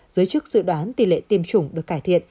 giới chức dự đoán tỷ lệ tiêm chủng được cải thiện